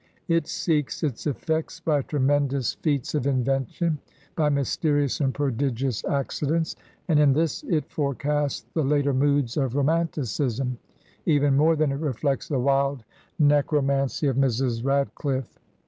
It s^ks its effects by tremendous feats of invention, by mysterious and prodigious ac cidents; and in this it forecasts the later moods of romanticism even more than it reflects the wild necro mancy of Mrs. Radcliffe.